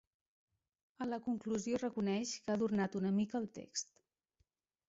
A la conclusió reconeix que ha adornat una mica el text.